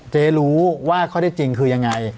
ดูว่าข้อที่จริงคือยังไง